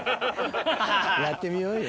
やってみようよ。